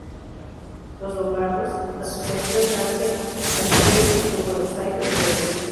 Los lombardos", Asociación Dante Alighieri de Buenos Aires, Bs.